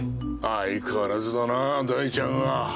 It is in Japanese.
相変わらずだな大ちゃんは。